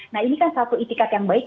nah ini kan satu itikat yang baik